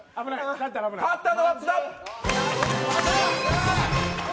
勝ったのは津田。